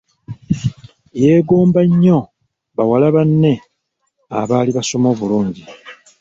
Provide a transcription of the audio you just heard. Yeegombanga nnyo bawala banne abaali basoma obulungi.